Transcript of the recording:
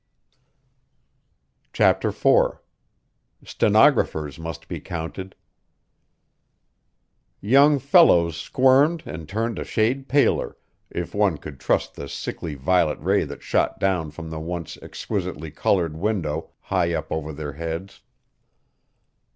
CHAPTER IV "Stenographers must be counted" Young Fellows squirmed and turned a shade paler, if one could trust the sickly violet ray that shot down from the once exquisitely colored window high up over their heads.